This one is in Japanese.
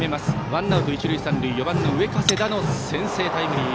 ワンアウト一塁三塁４番の上加世田の先制タイムリー。